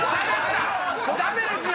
ダメですよ！